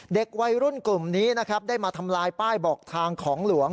เด็กวัยรุ่นกลุ่มนี้นะครับได้มาทำลายป้ายบอกทางของหลวง